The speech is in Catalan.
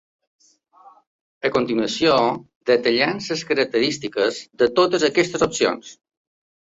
A continuació, detallem les característiques de totes aquestes opcions.